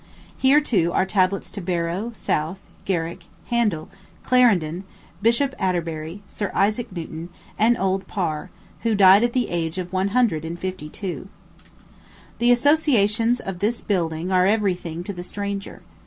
Here, too, are tablets to Barrow, South, Garrick, Handel, Clarendon, Bishop Atterbury, Sir Isaac Newton, and old Parr, who died at the age of one hundred and fifty two. [Illustration: Poets' Corner, Westminster Abbey.] The associations of this building are every thing to the stranger.